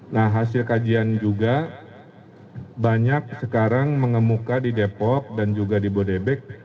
nah hasil kajian juga banyak sekarang mengemuka di depok dan juga di bodebek